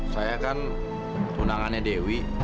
saya kan tunangannya dewi